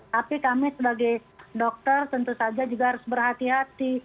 tapi kami sebagai dokter tentu saja juga harus berhati hati